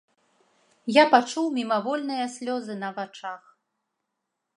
Я пачуў мімавольныя слёзы на вачах.